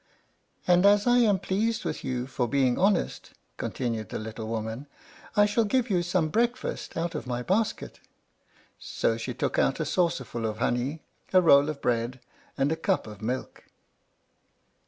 "And as I am pleased with you for being honest," continued the little woman, "I shall give you some breakfast out of my basket." So she took out a saucer full of honey, a roll of bread, and a cup of milk.